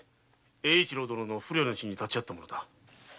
英一郎殿の不慮の死に立ち会った者だ。